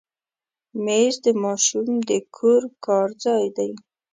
مېز د ماشوم د کور کار ځای دی.